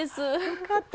よかった。